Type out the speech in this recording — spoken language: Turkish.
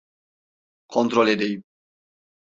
Kontrol edeyim.